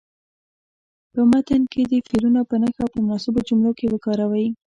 په متن کې دې فعلونه په نښه او په مناسبو جملو کې وکاروئ.